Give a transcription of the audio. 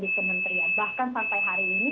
di kementerian bahkan sampai hari ini